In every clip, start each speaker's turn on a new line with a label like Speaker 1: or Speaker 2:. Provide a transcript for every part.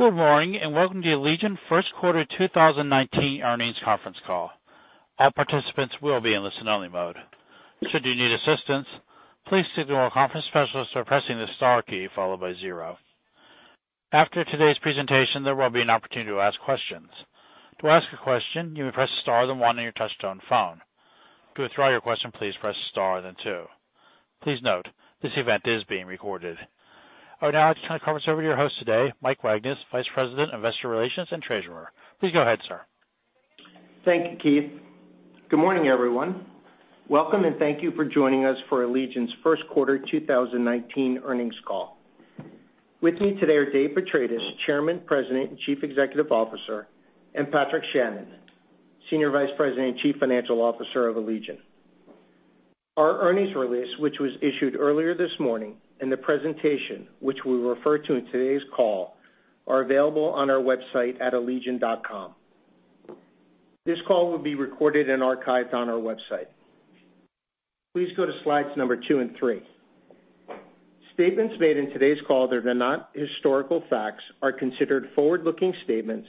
Speaker 1: Good morning, welcome to Allegion first quarter 2019 earnings conference call. All participants will be in listen only mode. Should you need assistance, please signal a conference specialist by pressing the star key followed by zero. After today's presentation, there will be an opportunity to ask questions. To ask a question, you may press star then one on your touchtone phone. To withdraw your question, please press star then two. Please note, this event is being recorded. I would now like to turn the conference over to your host today, Mike Wagnes, Vice President, Investor Relations and Treasurer. Please go ahead, sir.
Speaker 2: Thank you, Keith. Good morning, everyone. Welcome, thank you for joining us for Allegion's first quarter 2019 earnings call. With me today are Dave Petratis, Chairman, President, and Chief Executive Officer, and Patrick Shannon, Senior Vice President, Chief Financial Officer of Allegion. Our earnings release, which was issued earlier this morning, and the presentation, which we refer to in today's call, are available on our website at allegion.com. This call will be recorded and archived on our website. Please go to slides number two and three. Statements made in today's call that are not historical facts are considered forward-looking statements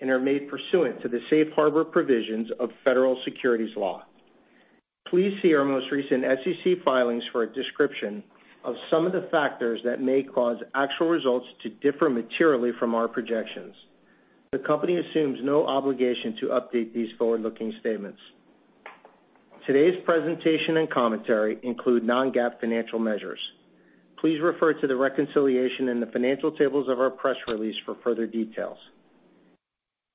Speaker 2: and are made pursuant to the safe harbor provisions of federal securities law. Please see our most recent SEC filings for a description of some of the factors that may cause actual results to differ materially from our projections. The company assumes no obligation to update these forward-looking statements. Today's presentation and commentary include non-GAAP financial measures. Please refer to the reconciliation in the financial tables of our press release for further details.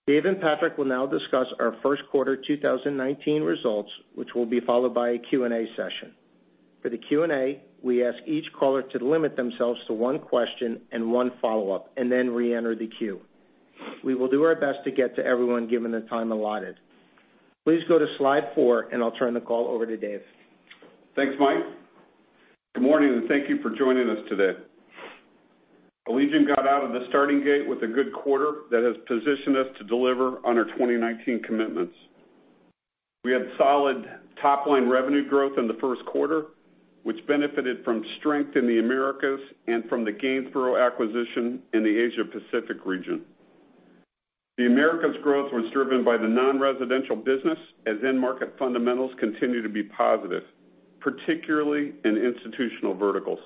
Speaker 2: Dave and Patrick will now discuss our first quarter 2019 results, which will be followed by a Q&A session. For the Q&A, we ask each caller to limit themselves to one question and one follow-up, then reenter the queue. We will do our best to get to everyone given the time allotted. Please go to slide four, I'll turn the call over to Dave.
Speaker 3: Thanks, Mike. Good morning, thank you for joining us today. Allegion got out of the starting gate with a good quarter that has positioned us to deliver on our 2019 commitments. We had solid top-line revenue growth in the first quarter, which benefited from strength in the Americas and from the Gainsborough acquisition in the Asia Pacific region. The Americas growth was driven by the non-residential business, as end market fundamentals continue to be positive, particularly in institutional verticals.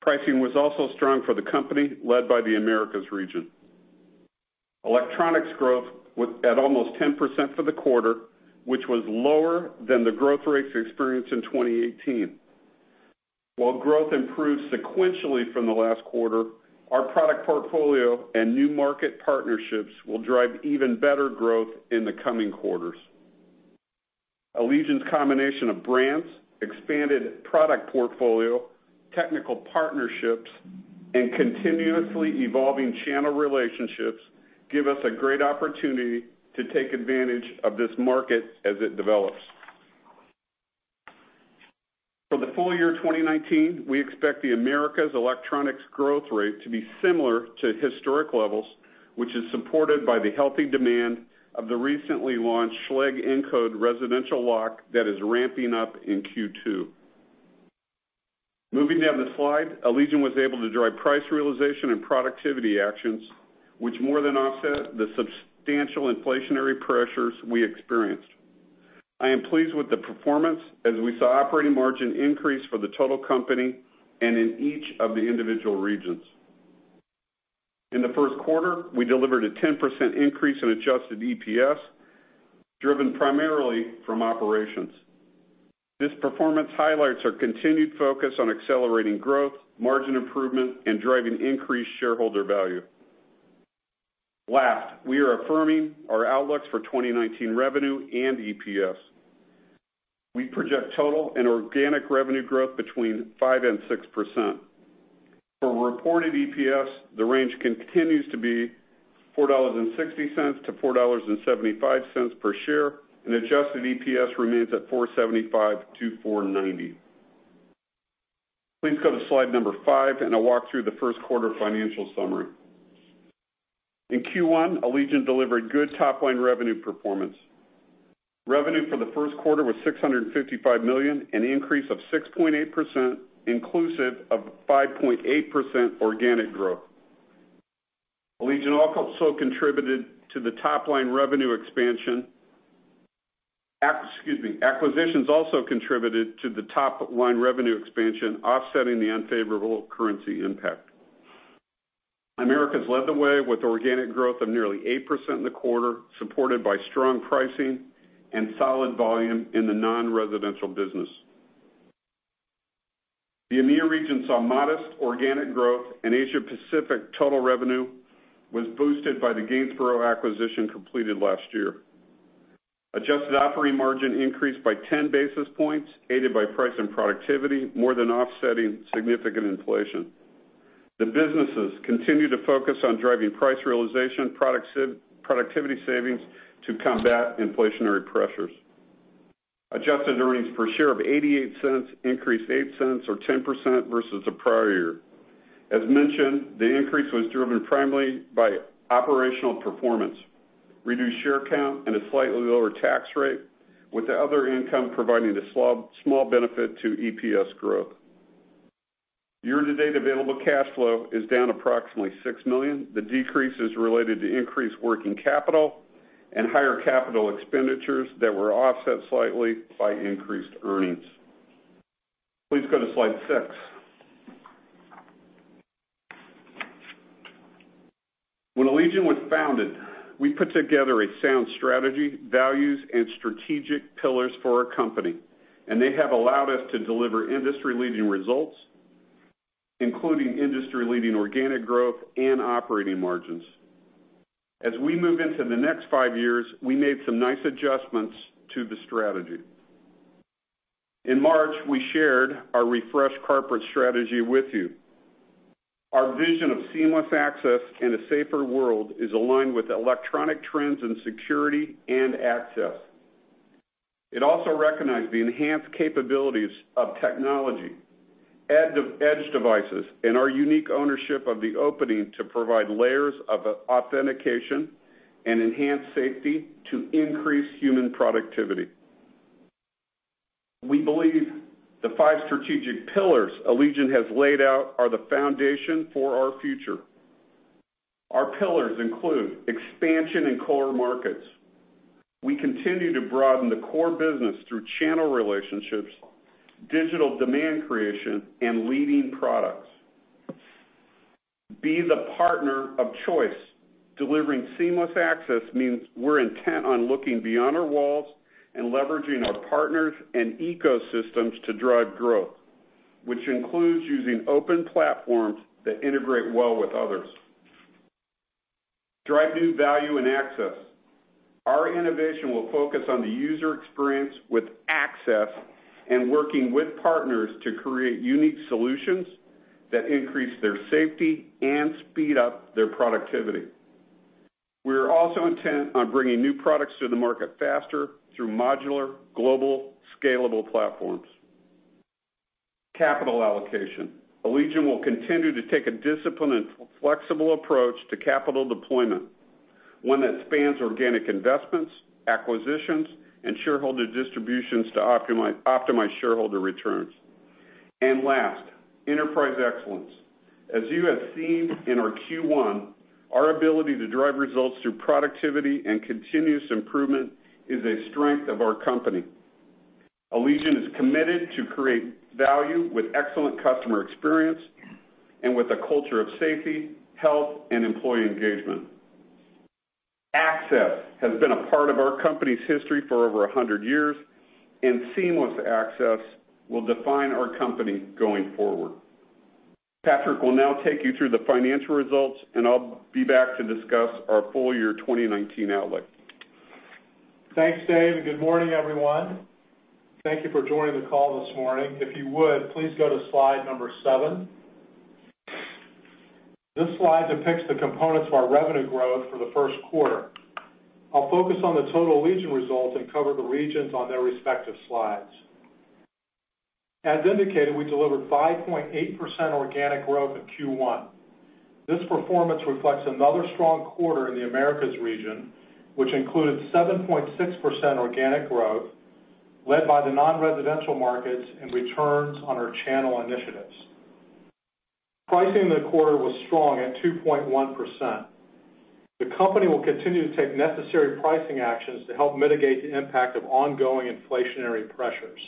Speaker 3: Pricing was also strong for the company, led by the Americas region. Electronics growth was at almost 10% for the quarter, which was lower than the growth rates experienced in 2018. While growth improved sequentially from the last quarter, our product portfolio and new market partnerships will drive even better growth in the coming quarters. Allegion's combination of brands, expanded product portfolio, technical partnerships, and continuously evolving channel relationships give us a great opportunity to take advantage of this market as it develops. For the full year 2019, we expect the Americas electronics growth rate to be similar to historic levels, which is supported by the healthy demand of the recently launched Schlage Encode residential lock that is ramping up in Q2. Moving down the slide, Allegion was able to drive price realization and productivity actions, which more than offset the substantial inflationary pressures we experienced. I am pleased with the performance as we saw operating margin increase for the total company and in each of the individual regions. In the first quarter, we delivered a 10% increase in adjusted EPS, driven primarily from operations. This performance highlights our continued focus on accelerating growth, margin improvement, and driving increased shareholder value. Last, we are affirming our outlooks for 2019 revenue and EPS. We project total and organic revenue growth between 5% and 6%. For reported EPS, the range continues to be $4.60-$4.75 per share, and adjusted EPS remains at $4.75-$4.90. Please go to slide number five. I'll walk through the first quarter financial summary. In Q1, Allegion delivered good top-line revenue performance. Revenue for the first quarter was $655 million, an increase of 6.8%, inclusive of 5.8% organic growth. Allegion also contributed to the top-line revenue expansion. Excuse me. Acquisitions also contributed to the top-line revenue expansion, offsetting the unfavorable currency impact. Americas led the way with organic growth of nearly 8% in the quarter, supported by strong pricing and solid volume in the non-residential business. The EMEIA region saw modest organic growth. Asia Pacific total revenue was boosted by the Gainsborough acquisition completed last year. Adjusted operating margin increased by 10 basis points, aided by price and productivity, more than offsetting significant inflation. The businesses continue to focus on driving price realization productivity savings to combat inflationary pressures. Adjusted earnings per share of $0.88 increased $0.08 or 10% versus the prior year. As mentioned, the increase was driven primarily by operational performance, reduced share count and a slightly lower tax rate, with the other income providing a small benefit to EPS growth. Year-to-date available cash flow is down approximately $6 million. The decrease is related to increased working capital and higher capital expenditures that were offset slightly by increased earnings. Please go to slide six. When Allegion was founded, we put together a sound strategy, values, and strategic pillars for our company. They have allowed us to deliver industry-leading results, including industry-leading organic growth and operating margins. As we move into the next five years, we made some nice adjustments to the strategy. In March, we shared our refreshed corporate strategy with you. Our vision of seamless access in a safer world is aligned with electronic trends in security and access. It also recognized the enhanced capabilities of technology, edge devices, and our unique ownership of the opening to provide layers of authentication and enhance safety to increase human productivity. We believe the five strategic pillars Allegion has laid out are the foundation for our future. Our pillars include expansion in core markets. We continue to broaden the core business through channel relationships, digital demand creation, and leading products. Be the partner of choice. Delivering seamless access means we're intent on looking beyond our walls and leveraging our partners and ecosystems to drive growth, which includes using open platforms that integrate well with others. Drive new value and access. Our innovation will focus on the user experience with access and working with partners to create unique solutions that increase their safety and speed up their productivity. We are also intent on bringing new products to the market faster through modular, global, scalable platforms. Capital allocation. Allegion will continue to take a disciplined and flexible approach to capital deployment, one that spans organic investments, acquisitions, and shareholder distributions to optimize shareholder returns. Last, enterprise excellence. As you have seen in our Q1, our ability to drive results through productivity and continuous improvement is a strength of our company. Allegion is committed to create value with excellent customer experience and with a culture of safety, health, and employee engagement. Access has been a part of our company's history for over 100 years, and seamless access will define our company going forward. Patrick will now take you through the financial results, and I'll be back to discuss our full year 2019 outlook.
Speaker 4: Thanks, Dave, and good morning, everyone. Thank you for joining the call this morning. If you would, please go to slide number seven. This slide depicts the components of our revenue growth for the first quarter. I'll focus on the total Allegion results and cover the regions on their respective slides. As indicated, we delivered 5.8% organic growth in Q1. This performance reflects another strong quarter in the Americas region, which included 7.6% organic growth led by the non-residential markets and returns on our channel initiatives. Pricing in the quarter was strong at 2.1%. The company will continue to take necessary pricing actions to help mitigate the impact of ongoing inflationary pressures.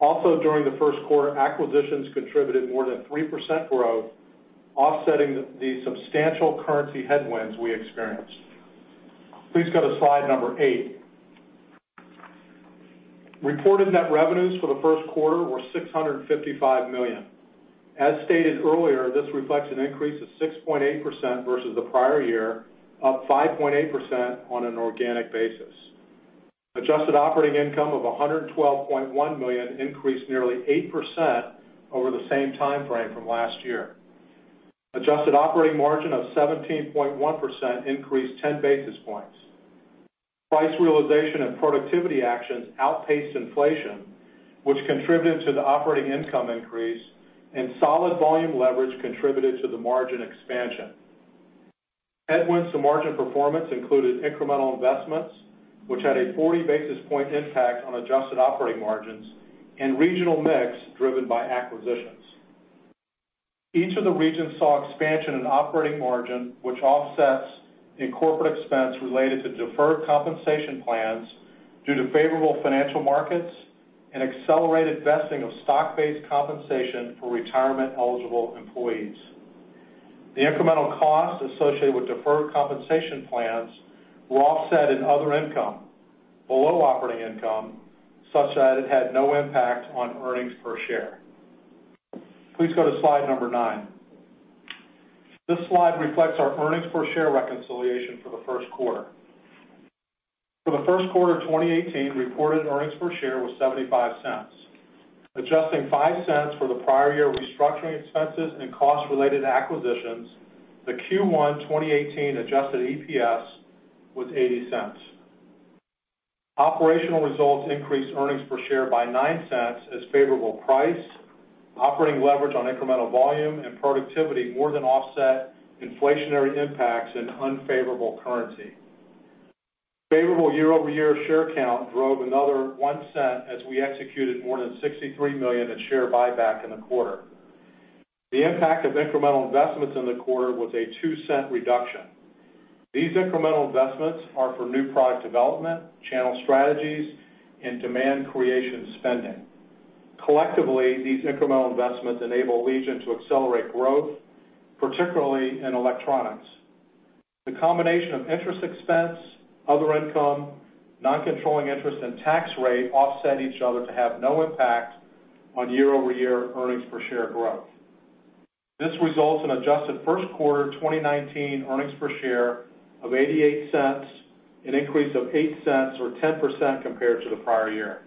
Speaker 4: Also, during the first quarter, acquisitions contributed more than 3% growth, offsetting the substantial currency headwinds we experienced. Please go to slide number eight. Reported net revenues for the first quarter were $655 million. As stated earlier, this reflects an increase of 6.8% versus the prior year, up 5.8% on an organic basis. Adjusted operating income of $112.1 million increased nearly 8% over the same time frame from last year. Adjusted operating margin of 17.1% increased 10 basis points. Price realization and productivity actions outpaced inflation, which contributed to the operating income increase, and solid volume leverage contributed to the margin expansion. Headwinds to margin performance included incremental investments, which had a 40 basis point impact on adjusted operating margins and regional mix driven by acquisitions. Each of the regions saw expansion in operating margin, which offsets in corporate expense related to deferred compensation plans due to favorable financial markets and accelerated vesting of stock-based compensation for retirement-eligible employees. The incremental costs associated with deferred compensation plans were offset in other income below operating income, such that it had no impact on earnings per share. Please go to slide nine. This slide reflects our earnings per share reconciliation for the first quarter. For the first quarter of 2018, reported earnings per share was $0.75. Adjusting $0.05 for the prior-year restructuring expenses and cost related to acquisitions, the Q1 2018 adjusted EPS was $0.80. Operational results increased earnings per share by $0.09 as favorable price, operating leverage on incremental volume, and productivity more than offset inflationary impacts and unfavorable currency. Favorable year-over-year share count drove another $0.01 as we executed more than $63 million in share buyback in the quarter. The impact of incremental investments in the quarter was a $0.02 reduction. These incremental investments are for new product development, channel strategies, and demand creation spending. Collectively, these incremental investments enable Allegion to accelerate growth, particularly in electronics. The combination of interest expense, other income, non-controlling interest, and tax rate offset each other to have no impact on year-over-year earnings per share growth. This results in adjusted first quarter 2019 earnings per share of $0.88, an increase of $0.08 or 10% compared to the prior year.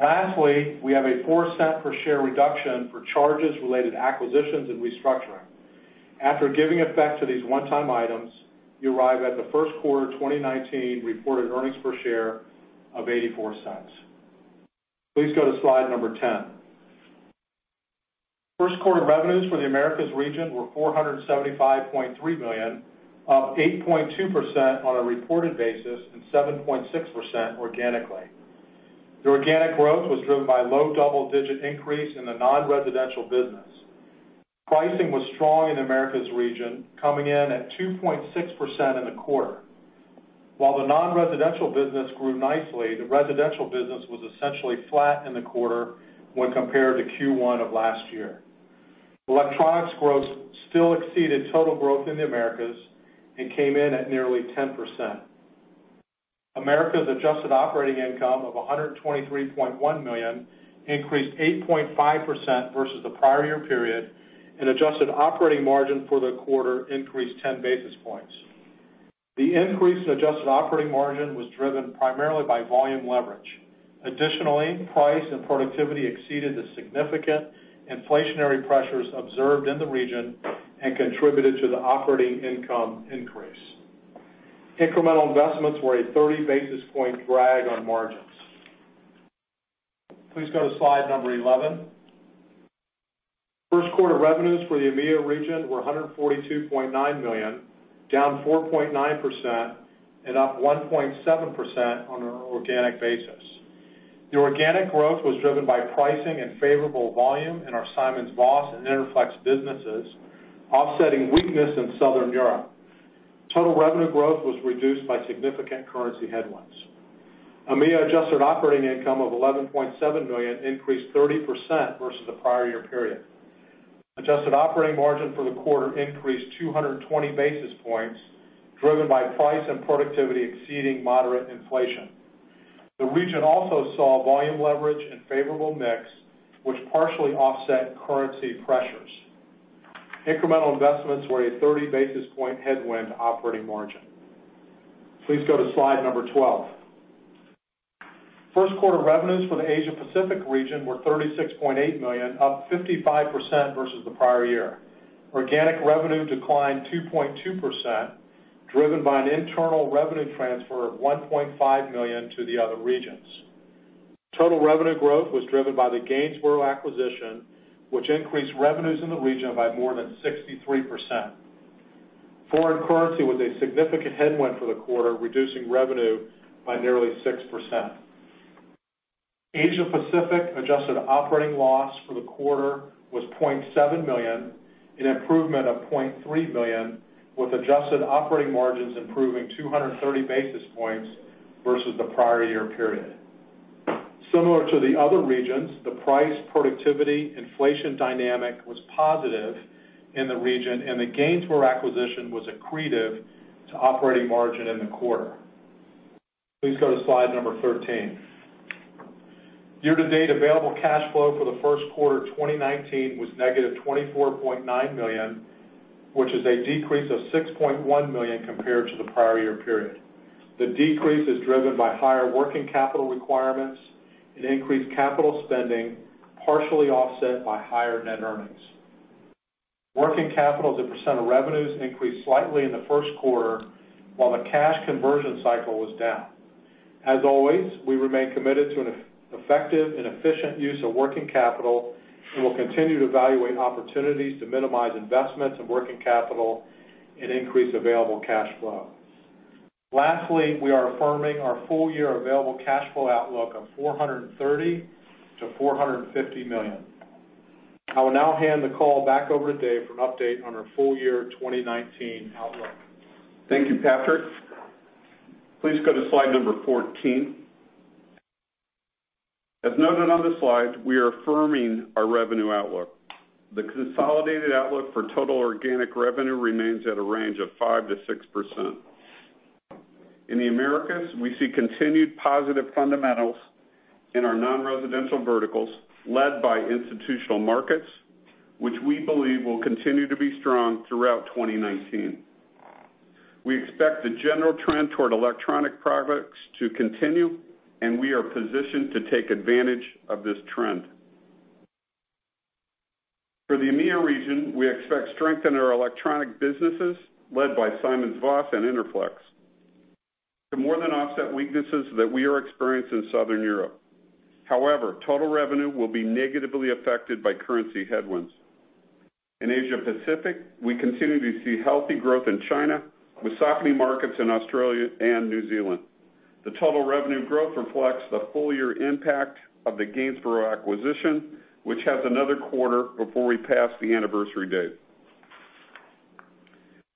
Speaker 4: Lastly, we have a $0.04 per share reduction for charges related to acquisitions and restructuring. After giving effect to these one-time items, you arrive at the first quarter 2019 reported earnings per share of $0.84. Please go to slide 10. First quarter revenues for the Americas region were $475.3 million, up 8.2% on a reported basis and 7.6% organically. The organic growth was driven by low double-digit increase in the non-residential business. Pricing was strong in Americas region, coming in at 2.6% in the quarter. While the non-residential business grew nicely, the residential business was essentially flat in the quarter when compared to Q1 of last year. Electronics growth still exceeded total growth in the Americas and came in at nearly 10%. Americas adjusted operating income of $123.1 million increased 8.5% versus the prior year period and adjusted operating margin for the quarter increased 10 basis points. The increase in adjusted operating margin was driven primarily by volume leverage. Additionally, price and productivity exceeded the significant inflationary pressures observed in the region and contributed to the operating income increase. Incremental investments were a 30 basis point drag on margins. Please go to slide 11. First quarter revenues for the EMEIA region were $142.9 million, down 4.9% and up 1.7% on an organic basis. The organic growth was driven by pricing and favorable volume in our SimonsVoss and Interflex businesses, offsetting weakness in Southern Europe. Total revenue growth was reduced by significant currency headwinds. EMEIA adjusted operating income of $11.7 million increased 30% versus the prior year period. Adjusted operating margin for the quarter increased 220 basis points, driven by price and productivity exceeding moderate inflation. The region also saw volume leverage and favorable mix, which partially offset currency pressures. Incremental investments were a 30 basis point headwind operating margin. Please go to slide 12. First quarter revenues for the Asia Pacific region were $36.8 million, up 55% versus the prior year. Organic revenue declined 2.2%, driven by an internal revenue transfer of $1.5 million to the other regions. Total revenue growth was driven by the Gainsborough acquisition, which increased revenues in the region by more than 63%. Foreign currency was a significant headwind for the quarter, reducing revenue by nearly 6%. Asia Pacific adjusted operating loss for the quarter was $0.7 million, an improvement of $0.3 million, with adjusted operating margins improving 230 basis points versus the prior year period. Similar to the other regions, the price productivity inflation dynamic was positive in the region, and the Gainsborough acquisition was accretive to operating margin in the quarter. Please go to slide number 13. Year-to-date available cash flow for the first quarter 2019 was negative $24.9 million, which is a decrease of $6.1 million compared to the prior year period. The decrease is driven by higher working capital requirements and increased capital spending, partially offset by higher net earnings. Working capital as a % of revenues increased slightly in the first quarter, while the cash conversion cycle was down. As always, we remain committed to an effective and efficient use of working capital and will continue to evaluate opportunities to minimize investments in working capital and increase available cash flow. Lastly, we are affirming our full-year available cash flow outlook of $430 million-$450 million. I will now hand the call back over to Dave for an update on our full-year 2019 outlook.
Speaker 3: Thank you, Patrick. Please go to slide number 14. As noted on the slide, we are affirming our revenue outlook. The consolidated outlook for total organic revenue remains at a range of 5%-6%. In the Americas, we see continued positive fundamentals in our non-residential verticals led by institutional markets, which we believe will continue to be strong throughout 2019. We expect the general trend toward electronic products to continue, and we are positioned to take advantage of this trend. For the EMEIA region, we expect strength in our electronic businesses led by SimonsVoss and Interflex to more than offset weaknesses that we are experiencing in Southern Europe. Total revenue will be negatively affected by currency headwinds. In Asia Pacific, we continue to see healthy growth in China with softening markets in Australia and New Zealand. The total revenue growth reflects the full-year impact of the Gainsborough acquisition, which has another quarter before we pass the anniversary date.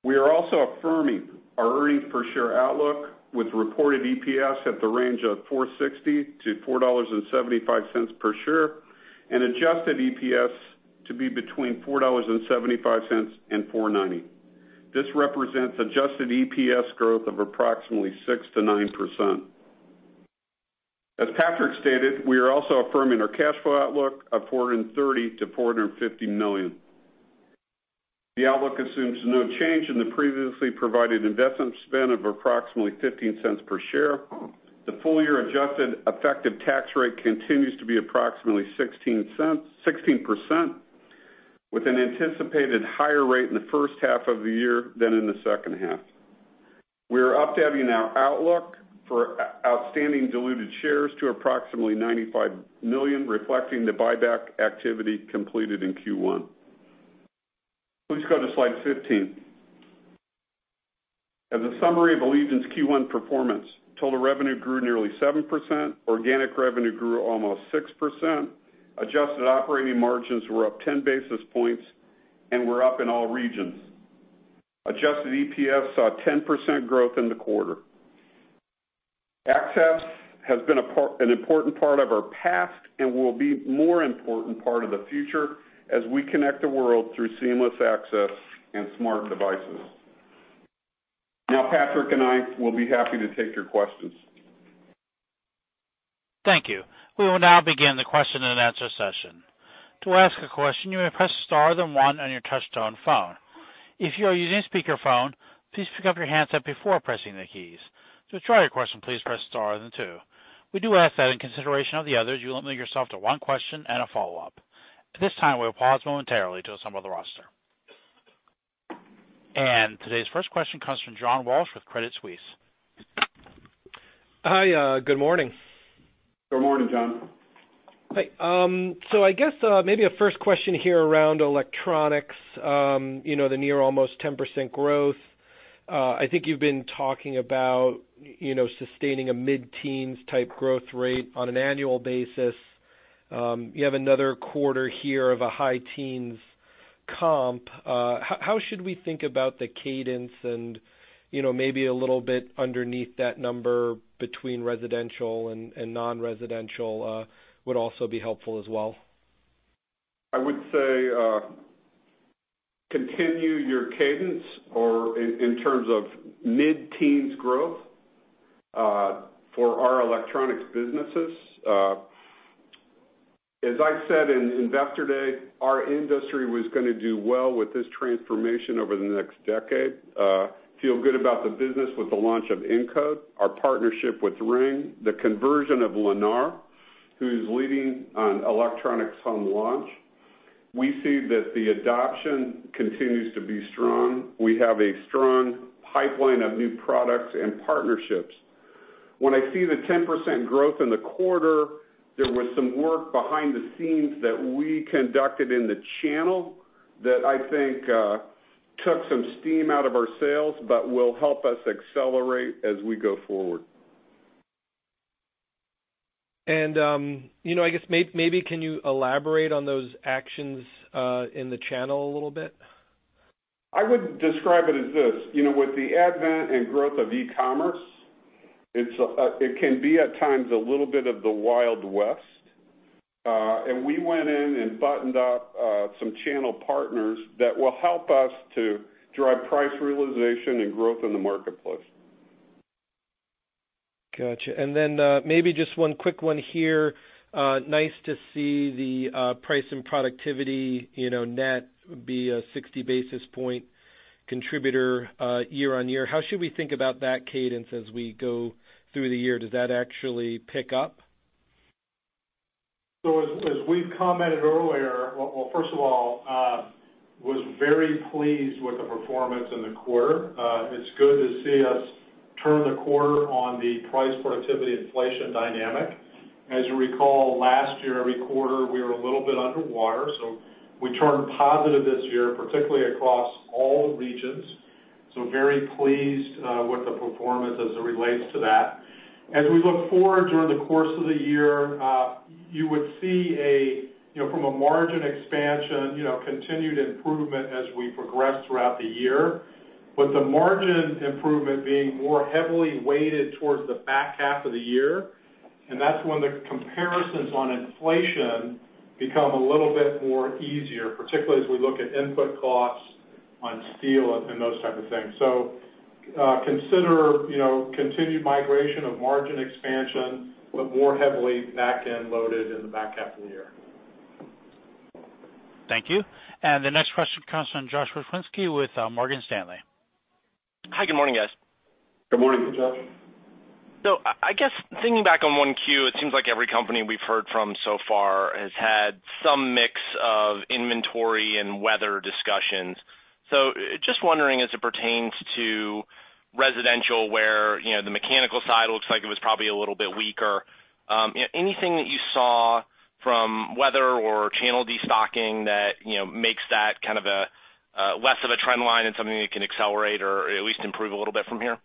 Speaker 3: We are also affirming our earnings per share outlook with reported EPS at the range of $4.60-$4.75 per share, and adjusted EPS to be between $4.75 and $4.90. This represents adjusted EPS growth of approximately 6%-9%. As Patrick stated, we are also affirming our cash flow outlook of $430 million-$450 million. The outlook assumes no change in the previously provided investment spend of approximately $0.15 per share. The full-year adjusted effective tax rate continues to be approximately 16%, with an anticipated higher rate in the first half of the year than in the second half. We are updating our outlook for outstanding diluted shares to approximately 95 million, reflecting the buyback activity completed in Q1. Please go to slide 15. As a summary of Allegion's Q1 performance, total revenue grew nearly 7%, organic revenue grew almost 6%, adjusted operating margins were up 10 basis points and were up in all regions. Adjusted EPS saw 10% growth in the quarter. Access has been an important part of our past and will be more important part of the future as we connect the world through seamless access and smart devices. Patrick and I will be happy to take your questions.
Speaker 1: Thank you. We will now begin the question and answer session. To ask a question, you may press star then one on your touch-tone phone. If you are using a speakerphone, please pick up your handset before pressing the keys. To withdraw your question, please press star then two. We do ask that in consideration of the others, you limit yourself to one question and a follow-up. At this time, we'll pause momentarily to assemble the roster. Today's first question comes from John Walsh with Credit Suisse.
Speaker 5: Hi, good morning.
Speaker 3: Good morning, John.
Speaker 5: Hi, I guess, maybe a first question here around electronics. The near almost 10% growth. I think you've been talking about sustaining a mid-teens type growth rate on an annual basis. You have another quarter here of a high teens comp. How should we think about the cadence and maybe a little bit underneath that number between residential and non-residential would also be helpful as well.
Speaker 3: I would say continue your cadence in terms of mid-teens growth for our electronics businesses. As I said in Investor Day, our industry was going to do well with this transformation over the next decade. Feel good about the business with the launch of Encode, our partnership with Ring, the conversion of Lennar, who's leading on electronics home launch. We see that the adoption continues to be strong. We have a strong pipeline of new products and partnerships. When I see the 10% growth in the quarter, there was some work behind the scenes that we conducted in the channel that I think took some steam out of our sales, but will help us accelerate as we go forward.
Speaker 5: I guess maybe can you elaborate on those actions in the channel a little bit?
Speaker 3: I would describe it as this. With the advent and growth of e-commerce, it can be at times a little bit of the Wild West. We went in and buttoned up some channel partners that will help us to drive price realization and growth in the marketplace.
Speaker 5: Got you. Maybe just one quick one here. Nice to see the price and productivity net be a 60 basis point contributor year-on-year. How should we think about that cadence as we go through the year? Does that actually pick up?
Speaker 3: As we've commented earlier, well, first of all, was very pleased with the performance in the quarter. It's good to see us turn the corner on the price productivity inflation dynamic. As you recall, last year, every quarter, we were a little bit underwater, we turned positive this year, particularly across all regions. Very pleased with the performance as it relates to that. As we look forward during the course of the year, you would see from a margin expansion, continued improvement as we progress throughout the year. The margin improvement being more heavily weighted towards the back half of the year, that's when the comparisons on inflation become a little bit more easier, particularly as we look at input costs on steel and those type of things. Consider continued migration of margin expansion, more heavily back-end loaded in the back half of the year.
Speaker 1: Thank you. The next question comes from Josh Pokrzywinski with Morgan Stanley.
Speaker 6: Hi. Good morning, guys.
Speaker 3: Good morning, Josh.
Speaker 6: I guess thinking back on 1Q, it seems like every company we've heard from so far has had some mix of inventory and weather discussions. Just wondering as it pertains to residential, where the mechanical side looks like it was probably a little bit weaker. Anything that you saw from weather or channel destocking that makes that kind of less of a trend line and something that can accelerate or at least improve a little bit from here?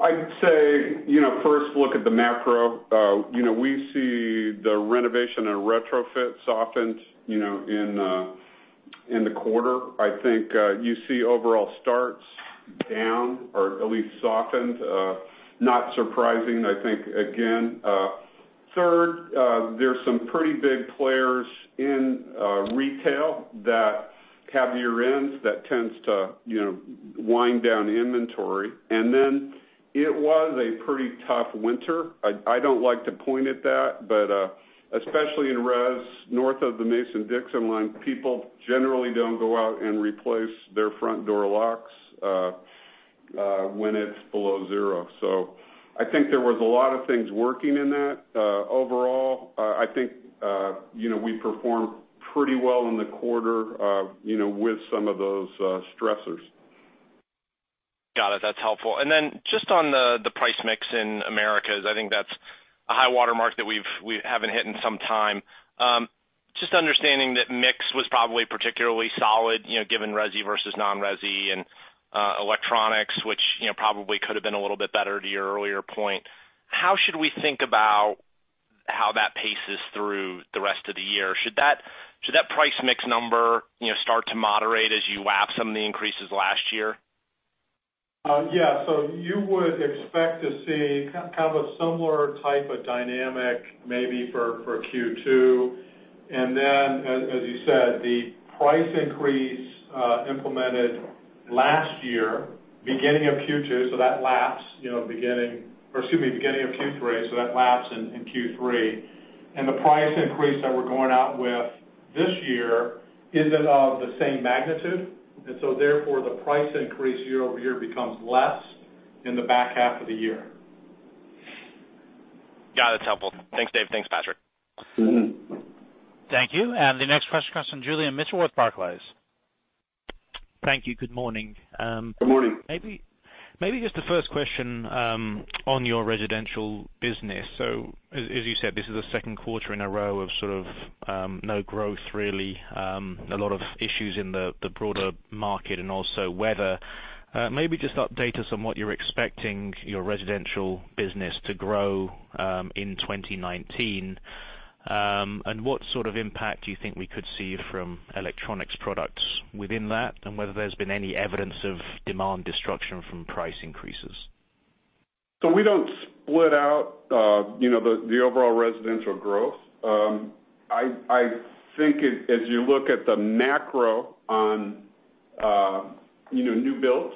Speaker 3: I'd say, first look at the macro. We see the renovation and retrofit softened in the quarter. I think you see overall starts down or at least softened. Not surprising, I think, again. Third, there's some pretty big players in retail that have year-ends that tends to wind down inventory. Then it was a pretty tough winter. I don't like to point at that, but, especially in res, north of the Mason-Dixon line, people generally don't go out and replace their front door locks when it's below zero. I think there was a lot of things working in that. Overall, I think we performed pretty well in the quarter with some of those stressors.
Speaker 6: Got it. That's helpful. Just on the price mix in Americas, I think that's a high water mark that we haven't hit in some time. Just understanding that mix was probably particularly solid, given resi versus non-resi and electronics, which probably could have been a little bit better to your earlier point. How should we think about how that paces through the rest of the year? Should that price mix number start to moderate as you lap some of the increases last year?
Speaker 3: Yeah. You would expect to see kind of a similar type of dynamic maybe for Q2. As you said, the price increase implemented last year, beginning of Q2, so that laps, or excuse me, beginning of Q3, so that laps in Q3. The price increase that we're going out with this year isn't of the same magnitude. Therefore, the price increase year-over-year becomes less in the back half of the year.
Speaker 6: Got it. That's helpful. Thanks, Dave. Thanks, Patrick.
Speaker 1: Thank you. The next question comes from Julian Mitchell with Barclays.
Speaker 7: Thank you. Good morning.
Speaker 3: Good morning.
Speaker 7: Maybe just the first question on your residential business. As you said, this is the second quarter in a row of sort of no growth really, a lot of issues in the broader market and also weather. Maybe just update us on what you're expecting your residential business to grow in 2019. What sort of impact do you think we could see from electronics products within that, and whether there's been any evidence of demand destruction from price increases?
Speaker 3: We don't split out the overall residential growth. I think as you look at the macro on new builds,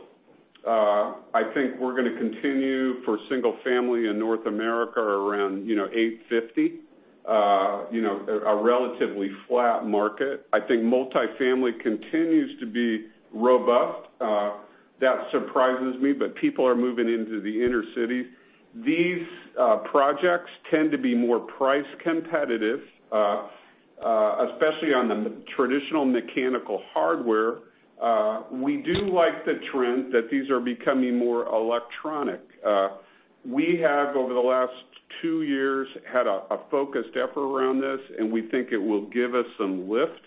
Speaker 3: I think we're going to continue for single family in North America around 850. A relatively flat market. I think multifamily continues to be robust. That surprises me, but people are moving into the inner city. These projects tend to be more price competitive, especially on the traditional mechanical hardware. We do like the trend that these are becoming more electronic. We have, over the last two years, had a focused effort around this, and we think it will give us some lift.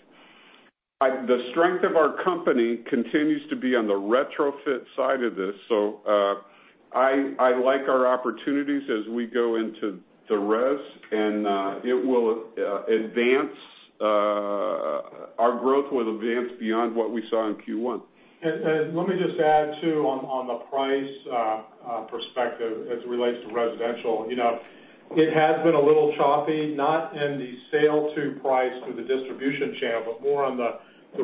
Speaker 3: The strength of our company continues to be on the retrofit side of this. I like our opportunities as we go into the res, and our growth will advance beyond what we saw in Q1.
Speaker 4: Let me just add, too, on the price perspective as it relates to residential. It has been a little choppy, not in the sale to price through the distribution channel, but more on the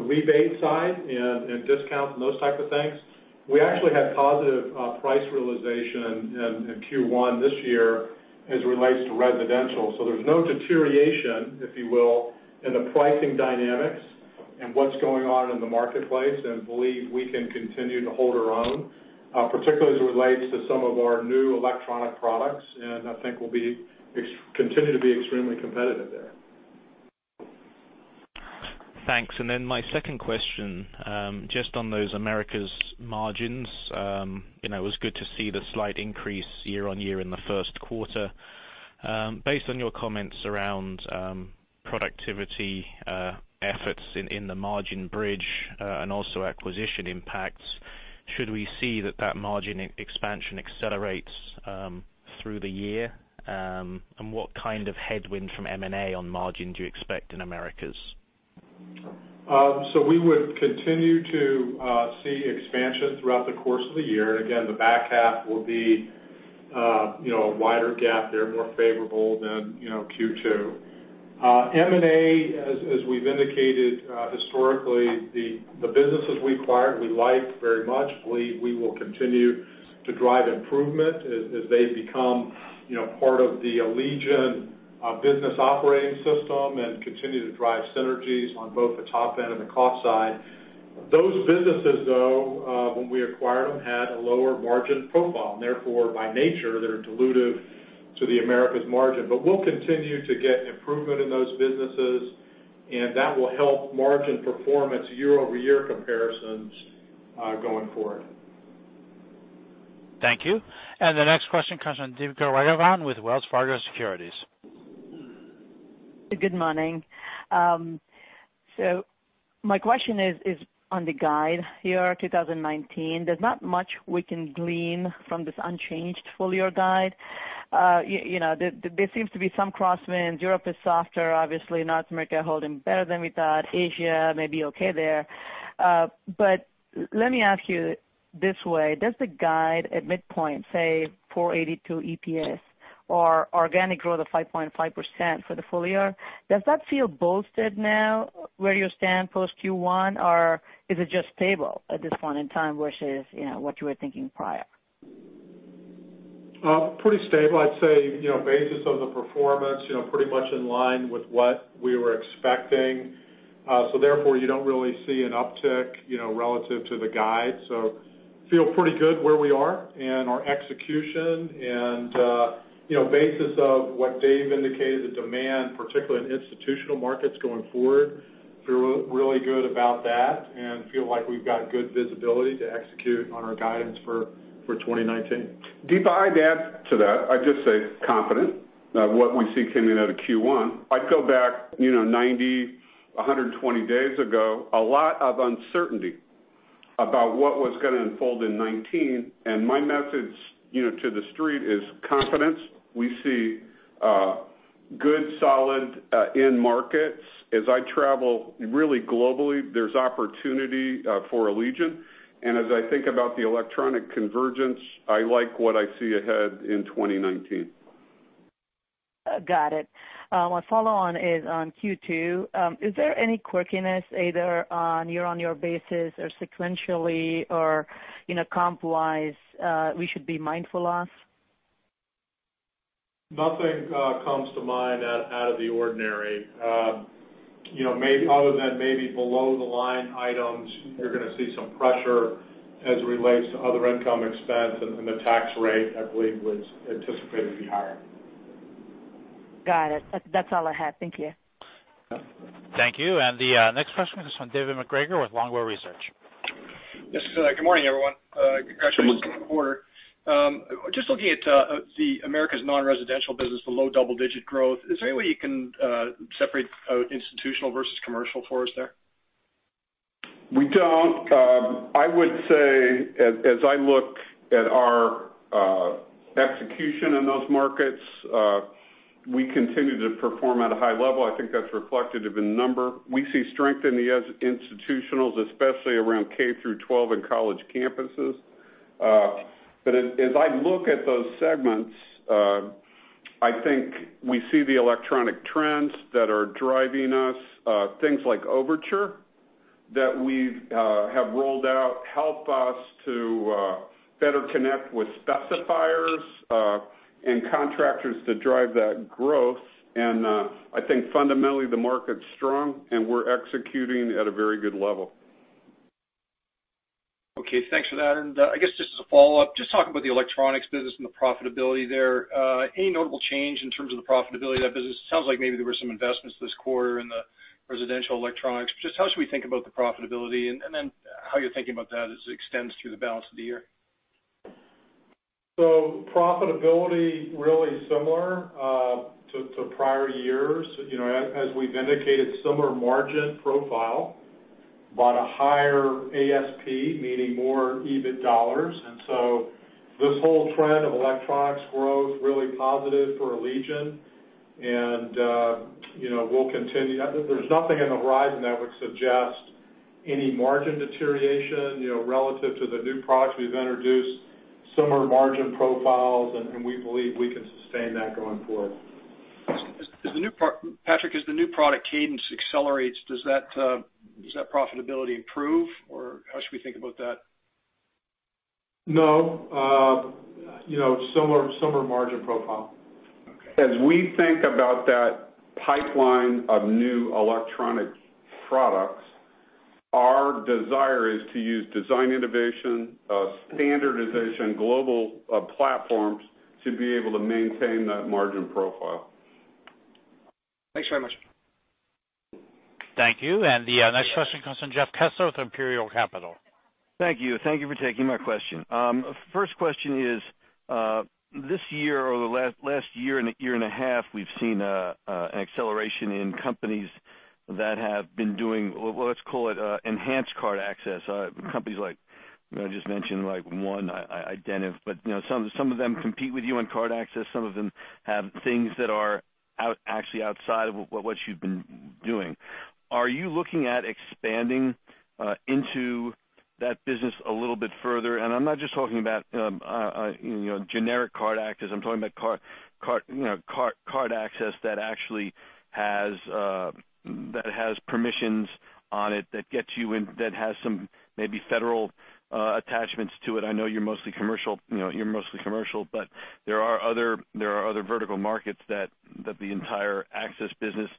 Speaker 4: rebate side and discounts and those type of things. We actually had positive price realization in Q1 this year as it relates to residential. There's no deterioration, if you will, in the pricing dynamics and what's going on in the marketplace and believe we can continue to hold our own, particularly as it relates to some of our new electronic products, and I think we'll continue to be extremely competitive there.
Speaker 7: Thanks. My second question, just on those Americas margins. It was good to see the slight increase year-on-year in the first quarter. Based on your comments around productivity efforts in the margin bridge, and also acquisition impacts, should we see that margin expansion accelerates through the year? What kind of headwind from M&A on margin do you expect in Americas?
Speaker 3: We would continue to see expansion throughout the course of the year. Again, the back half will be a wider gap there, more favorable than Q2. M&A, as we've indicated historically, the businesses we acquired, we like very much. Believe we will continue to drive improvement as they become part of the Allegion business operating system and continue to drive synergies on both the top end and the cost side. Those businesses, though, when we acquired them, had a lower margin profile, and therefore by nature, they're dilutive
Speaker 4: To the Americas margin. We'll continue to get improvement in those businesses, and that will help margin performance year-over-year comparisons going forward.
Speaker 1: Thank you. The next question comes from Deepa Raghavan with Wells Fargo Securities.
Speaker 8: Good morning. My question is on the guide 2019. There's not much we can glean from this unchanged full-year guide. There seems to be some crosswinds. Europe is softer, obviously North America holding better than we thought. Asia may be okay there. Let me ask you this way, does the guide at midpoint, say 482 EPS or organic growth of 5.5% for the full year, does that feel bolstered now where you stand post Q1, or is it just stable at this point in time versus what you were thinking prior?
Speaker 4: Pretty stable, I'd say, basis of the performance, pretty much in line with what we were expecting. Therefore, you don't really see an uptick relative to the guide. Feel pretty good where we are and our execution and basis of what Dave indicated, the demand, particularly in institutional markets going forward. Feel really good about that and feel like we've got good visibility to execute on our guidance for 2019.
Speaker 3: Deepa, I'd add to that. I'd just say confident of what we see coming out of Q1. I'd go back 90, 120 days ago, a lot of uncertainty about what was going to unfold in 2019. My message to the Street is confidence. We see good solid end markets. As I travel really globally, there's opportunity for Allegion. As I think about the electronic convergence, I like what I see ahead in 2019.
Speaker 8: Got it. My follow-on is on Q2. Is there any quirkiness either on year-on-year basis or sequentially or comp-wise we should be mindful of?
Speaker 4: Nothing comes to mind out of the ordinary. Other than maybe below the line items, you're going to see some pressure as it relates to other income expense and the tax rate, I believe, was anticipated to be higher.
Speaker 8: Got it. That's all I had. Thank you.
Speaker 1: Thank you. The next question is from David MacGregor with Longbow Research.
Speaker 9: Yes. Good morning, everyone. Congratulations on the quarter. Just looking at the Americas non-residential business, the low double-digit growth. Is there any way you can separate out institutional versus commercial for us there?
Speaker 3: We don't. I would say as I look at our execution in those markets, we continue to perform at a high level. I think that's reflective of the number. We see strength in the institutionals, especially around K through 12 and college campuses. As I look at those segments, I think we see the electronic trends that are driving us. Things like Overtur that we have rolled out help us to better connect with specifiers and contractors to drive that growth. I think fundamentally, the market's strong, and we're executing at a very good level.
Speaker 9: Okay, thanks for that. I guess just as a follow-up, just talking about the electronics business and the profitability there. Any notable change in terms of the profitability of that business? It sounds like maybe there were some investments this quarter in the residential electronics, but just how should we think about the profitability and then how you're thinking about that as it extends through the balance of the year?
Speaker 4: Profitability really similar to prior years. As we've indicated, similar margin profile, but a higher ASP, meaning more EBIT dollars. This whole trend of electronics growth, really positive for Allegion. We'll continue. There's nothing on the horizon that would suggest any margin deterioration relative to the new products we've introduced. Similar margin profiles, we believe we can sustain that going forward.
Speaker 9: Patrick, as the new product cadence accelerates, does that profitability improve, or how should we think about that?
Speaker 4: No. Similar margin profile.
Speaker 9: Okay.
Speaker 3: As we think about that pipeline of new electronic products, our desire is to use design innovation, standardization, global platforms to be able to maintain that margin profile.
Speaker 9: Thanks very much.
Speaker 1: Thank you. The next question comes from Jeff Kessler with Imperial Capital.
Speaker 10: Thank you. Thank you for taking my question. First question is, this year or the last year and a half, we've seen an acceleration in companies that have been doing, well, let's call it enhanced card access. Companies like I just mentioned, like one Identiv, but some of them compete with you on card access. Some of them have things that are actually outside of what you've been doing. Are you looking at expanding into that business a little bit further? I'm not just talking about generic card access. I'm talking about card access that actually has permissions on it that has some maybe federal attachments to it. I know you're mostly commercial, but there are other vertical markets that the entire access business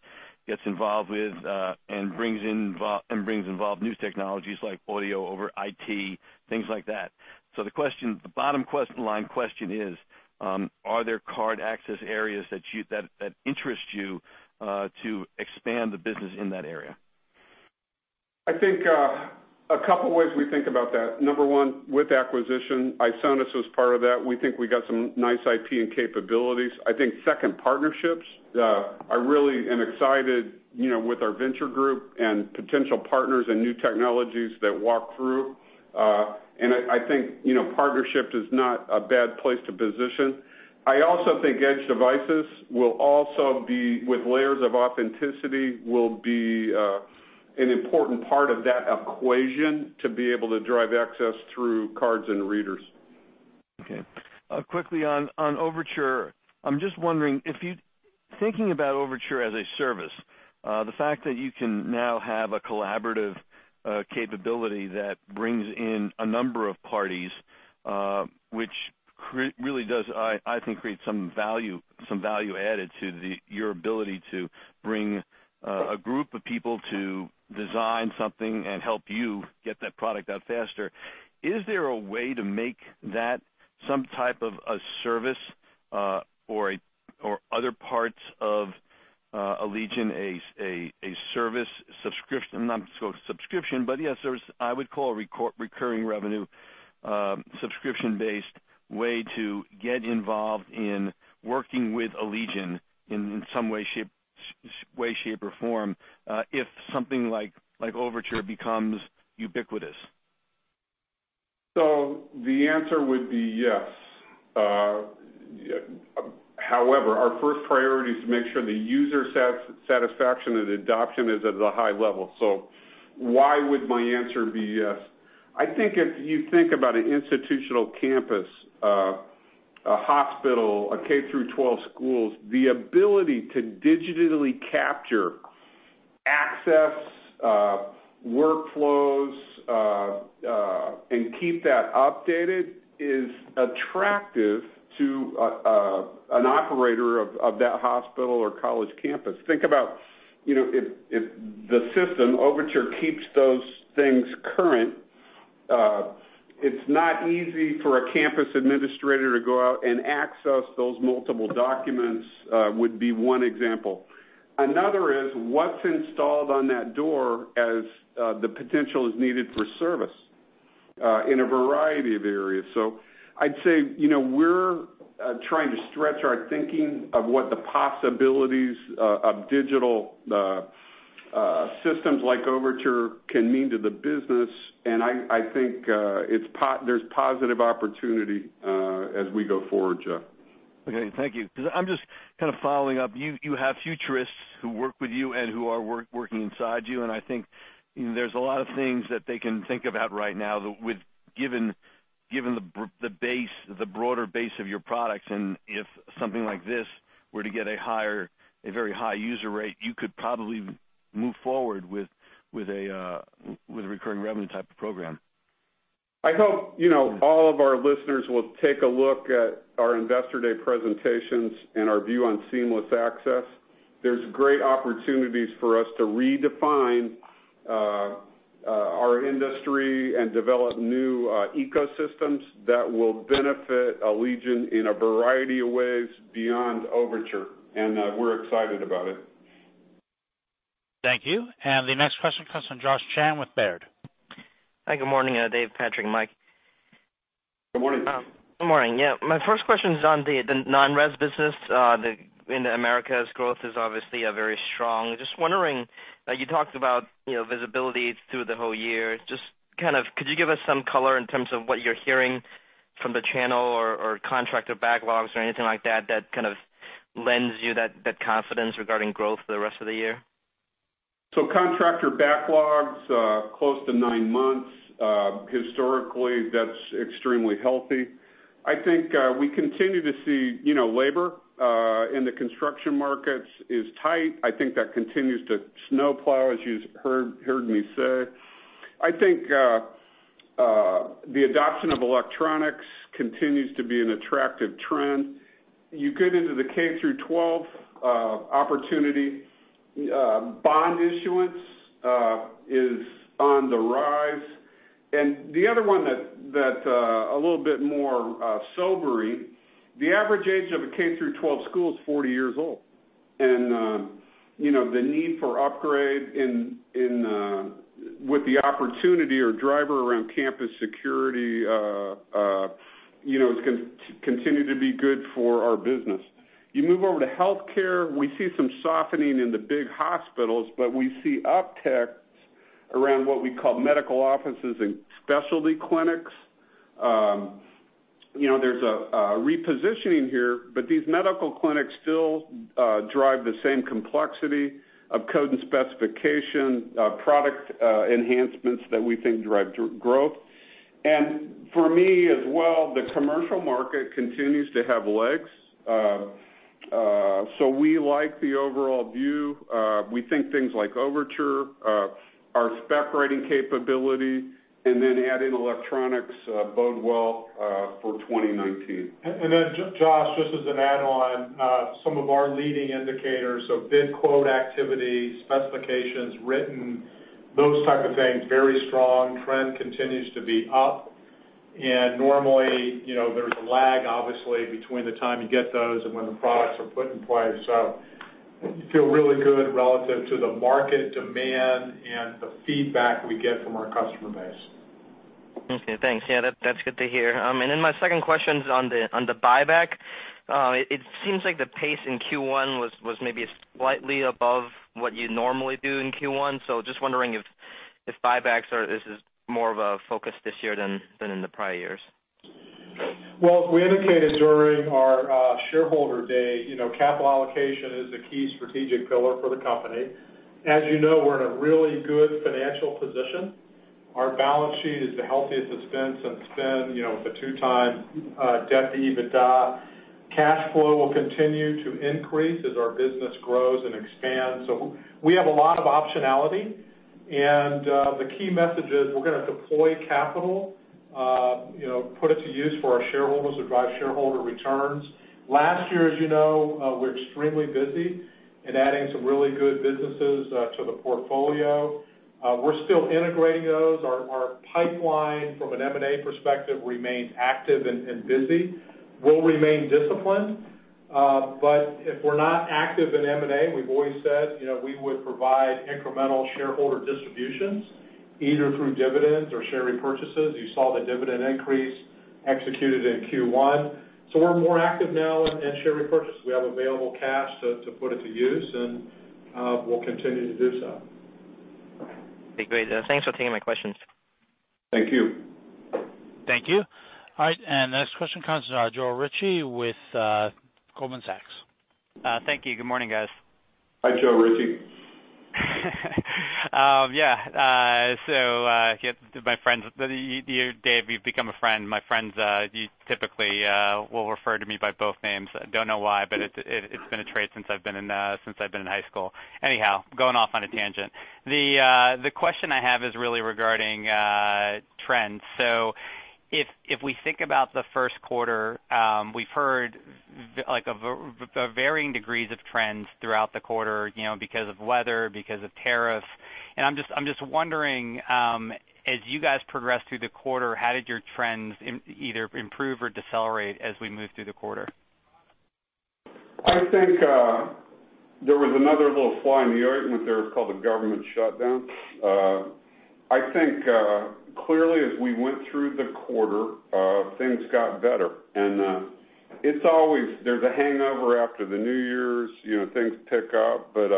Speaker 10: gets involved with and brings involved new technologies like audio over IP, things like that. The bottom line question is, are there card access areas that interest you to expand the business in that area?
Speaker 3: I think a couple ways we think about that. Number one, with acquisition. Isonas was part of that. We think we got some nice IP and capabilities. I think second, partnerships. I really am excited with our venture group and potential partners and new technologies that walk through. I think partnership is not a bad place to position. I also think edge devices, with layers of authenticity, will be an important part of that equation to be able to drive access through cards and readers.
Speaker 10: Okay. Quickly on Overtur, I'm just wondering, thinking about Overtur as a service, the fact that you can now have a collaborative capability that brings in a number of parties, which really does, I think, create some value added to your ability to bring a group of people to design something and help you get that product out faster. Is there a way to make that some type of a service, or other parts of Allegion, a service subscription? Not subscription, but a service I would call a recurring revenue, subscription-based way to get involved in working with Allegion in some way, shape, or form, if something like Overtur becomes ubiquitous.
Speaker 3: The answer would be yes. However, our first priority is to make sure the user satisfaction and adoption is at a high level. Why would my answer be yes? I think if you think about an institutional campus, a hospital, a K through 12 schools, the ability to digitally capture access, workflows, and keep that updated is attractive to an operator of that hospital or college campus. Think about if the system, Overtur, keeps those things current, it's not easy for a campus administrator to go out and access those multiple documents, would be one example. Another is what's installed on that door as the potential is needed for service in a variety of areas. I'd say, we're trying to stretch our thinking of what the possibilities of digital systems like Overtur can mean to the business, and I think there's positive opportunity as we go forward, Jeff.
Speaker 10: Okay, thank you. I'm just kind of following up. You have futurists who work with you and who are working inside you, and I think there's a lot of things that they can think about right now, given the broader base of your products, and if something like this were to get a very high user rate, you could probably move forward with a recurring revenue type of program.
Speaker 3: I hope all of our listeners will take a look at our Investor Day presentations and our view on seamless access. There's great opportunities for us to redefine our industry and develop new ecosystems that will benefit Allegion in a variety of ways beyond Overtur. We're excited about it.
Speaker 1: Thank you. The next question comes from Josh Chan with Baird.
Speaker 11: Hi, good morning, Dave, Patrick, Mike.
Speaker 3: Good morning.
Speaker 11: Good morning. My first question is on the non-res business in the Americas. Growth is obviously very strong. Just wondering, you talked about visibility through the whole year. Could you give us some color in terms of what you're hearing from the channel or contractor backlogs or anything like that that kind of lends you that confidence regarding growth for the rest of the year?
Speaker 3: Contractor backlogs, close to nine months. Historically, that's extremely healthy. I think we continue to see labor in the construction markets is tight. I think that continues to snowplow, as you've heard me say. I think the adoption of electronics continues to be an attractive trend. You get into the K through 12 opportunity, bond issuance is on the rise. The other one that's a little bit more sobering, the average age of a K through 12 school is 40 years old. The need for upgrade with the opportunity or driver around campus security is going to continue to be good for our business. You move over to healthcare, we see some softening in the big hospitals, but we see up-techs around what we call medical offices and specialty clinics. There's a repositioning here, but these medical clinics still drive the same complexity of code and specification, product enhancements that we think drive growth. For me as well, the commercial market continues to have legs. We like the overall view. We think things like Overtur spec rating capability and then adding electronics bode well for 2019. Josh, just as an add-on, some of our leading indicators of bid quote activity, specifications written, those type of things, very strong. Trend continues to be up. Normally, there's a lag, obviously, between the time you get those and when the products are put in place. We feel really good relative to the market demand and the feedback we get from our customer base.
Speaker 11: Okay, thanks. That's good to hear. My second question's on the buyback. It seems like the pace in Q1 was maybe slightly above what you normally do in Q1. Just wondering if this is more of a focus this year than in the prior years.
Speaker 3: Well, as we indicated during our shareholder day, capital allocation is a key strategic pillar for the company. As you know, we're in a really good financial position. Our balance sheet is the healthiest it's been since then, the 2x debt to EBITDA. Cash flow will continue to increase as our business grows and expands. We have a lot of optionality, and the key message is we're going to deploy capital, put it to use for our shareholders to drive shareholder returns. Last year, as you know, we were extremely busy in adding some really good businesses to the portfolio. We're still integrating those. Our pipeline from an M&A perspective remains active and busy. We'll remain disciplined. If we're not active in M&A, we've always said we would provide incremental shareholder distributions, either through dividends or share repurchases. You saw the dividend increase executed in Q1. We're more active now in share repurchase. We have available cash to put it to use, and we'll continue to do so.
Speaker 11: Okay, great. Thanks for taking my questions.
Speaker 3: Thank you.
Speaker 1: Thank you. All right, next question comes from Joe Ritchie with Goldman Sachs.
Speaker 12: Thank you. Good morning, guys.
Speaker 3: Hi, Joe Ritchie.
Speaker 12: Yeah. Dave, you've become a friend. My friends typically will refer to me by both names. Don't know why, but it's been a trait since I've been in high school. Anyhow, going off on a tangent. The question I have is really regarding trends. If we think about the first quarter, we've heard of varying degrees of trends throughout the quarter because of weather, because of tariffs, I'm just wondering, as you guys progressed through the quarter, how did your trends either improve or decelerate as we moved through the quarter?
Speaker 3: I think there was another little fly in the ointment there called the government shutdown. I think clearly as we went through the quarter, things got better. There's a hangover after the New Year's, things pick up, but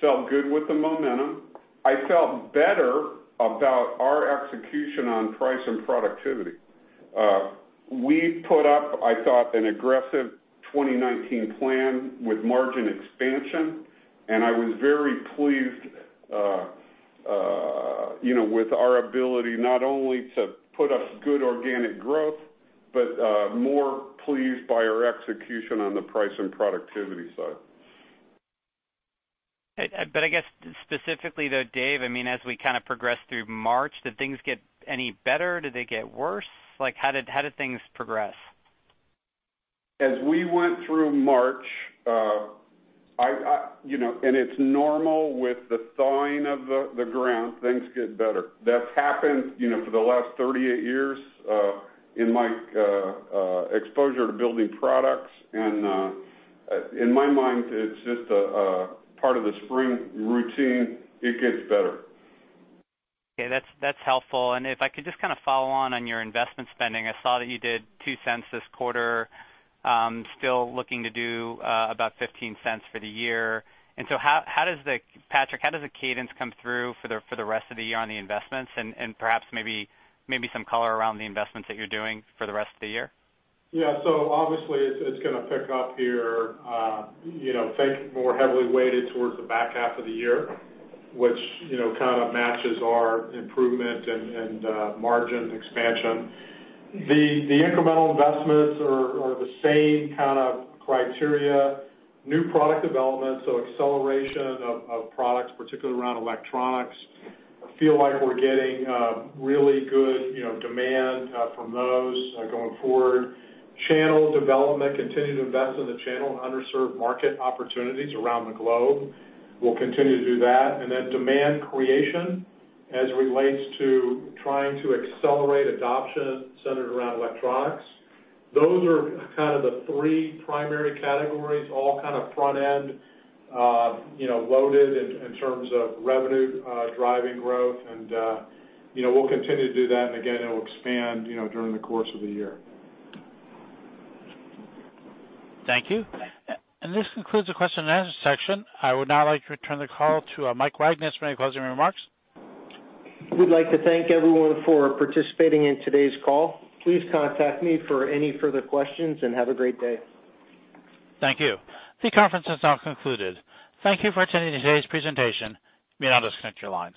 Speaker 3: felt good with the momentum. I felt better about our execution on price and productivity. We put up, I thought, an aggressive 2019 plan with margin expansion, and I was very pleased with our ability not only to put up good organic growth, but more pleased by our execution on the price and productivity side.
Speaker 12: I guess specifically though, Dave, as we kind of progressed through March, did things get any better? Did they get worse? How did things progress?
Speaker 3: As we went through March, it's normal with the thawing of the ground, things get better. That's happened for the last 38 years in my exposure to building products. In my mind, it's just a part of the spring routine. It gets better.
Speaker 12: Okay. That's helpful. If I could just kind of follow on on your investment spending. I saw that you did $0.02 this quarter, still looking to do about $0.15 for the year. Patrick, how does the cadence come through for the rest of the year on the investments and perhaps maybe some color around the investments that you're doing for the rest of the year?
Speaker 4: Yeah. Obviously it's going to pick up here, I think more heavily weighted towards the back half of the year, which kind of matches our improvement and margin expansion. The incremental investments are the same kind of criteria, new product development, so acceleration of products, particularly around electronics. I feel like we're getting really good demand from those going forward. Channel development, continue to invest in the channel and underserved market opportunities around the globe. We'll continue to do that. Demand creation as it relates to trying to accelerate adoption centered around electronics. Those are kind of the three primary categories, all kind of front-end loaded in terms of revenue driving growth. We'll continue to do that, and again, it will expand during the course of the year.
Speaker 1: Thank you. This concludes the question and answer section. I would now like to return the call to Mike Wagnes for any closing remarks.
Speaker 2: We'd like to thank everyone for participating in today's call. Please contact me for any further questions, and have a great day.
Speaker 1: Thank you. The conference is now concluded. Thank you for attending today's presentation. You may disconnect your lines.